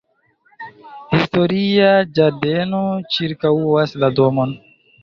Historia ĝardeno ĉirkaŭas la domon.